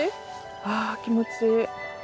ああ気持ちいい。